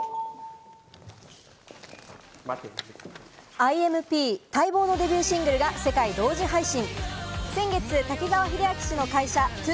ＩＭＰ．待望のデビューシングルが世界同時配信。